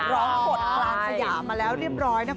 ร้องกฎร้านสยามมาแล้วเรียบร้อยนะครับ